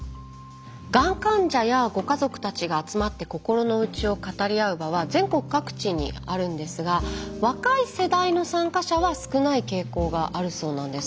がん患者やご家族たちが集まって心の内を語り合う場は全国各地にあるんですが若い世代の参加者は少ない傾向があるそうなんです。